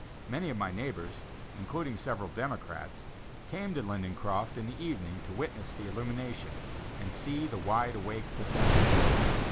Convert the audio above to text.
Many of my neighbors, including several Democrats, came to Lindencroft in the evening to witness the illumination and see the Wide Awake procession.